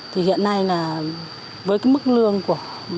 thì hiện nay là với cái mức lương của